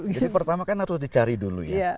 jadi pertama kan harus dicari dulu ya